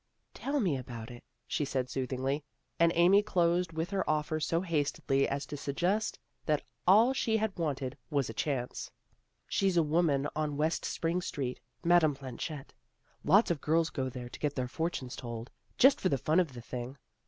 " Tell me all about it," she said soothingly, and Amy closed with her offer so hastily as to suggest that all she had wanted was a chance. " She's a woman on West Spring Street, Madame Planchet. Lots of girls go there to get their fortunes told, just for the fun of the thing.